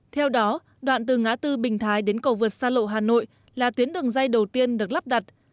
theo đó đoạn từ ngã tư bình thái đến cầu vượt xa lộ hà nội là tuyến đường dây đầu tiên được lắp đặt